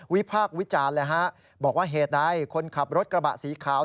พากษ์วิจารณ์เลยฮะบอกว่าเหตุใดคนขับรถกระบะสีขาว